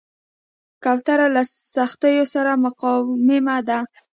کوتره له سختیو سره مقاوم ده.